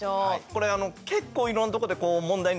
これ結構いろんなとこで問題になって。